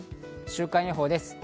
週間予報です。